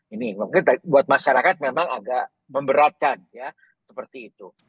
ini mungkin buat masyarakat memang agak memberatkan ya seperti itu